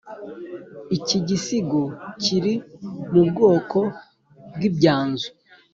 iki gisigo kiri mu bwoko bw' "ibyanzu.